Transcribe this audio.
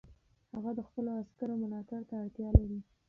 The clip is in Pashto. هغه د خپلو عسکرو ملاتړ ته اړتیا لري.